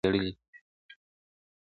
اشاره کړې او پر ویر یې ورسره ژړلي دي ..